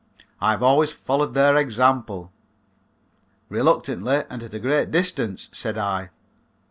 I have always followed their example." "Reluctantly and at a great distance," said I.